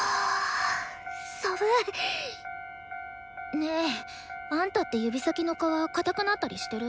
ねえあんたって指先の皮硬くなったりしてる？